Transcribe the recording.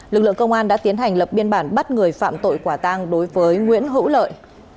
lực lượng công an đã tiến hành lập biên bản bắt người phạm tội quả tang đối với nguyễn hữu lợi